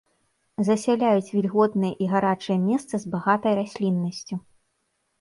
Засяляюць вільготныя і гарачыя месцы з багатай расліннасцю.